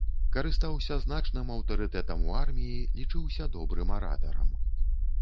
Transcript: Карыстаўся значным аўтарытэтам у арміі, лічыўся добрым аратарам.